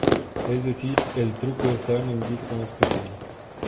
Es decir, el truco está en el disco más pequeño.